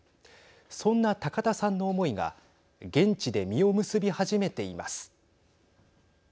そんな高田さんの思いが現地で実を結び始めています。